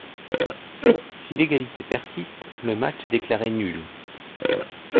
Si l'égalité persiste, le match est déclaré nul.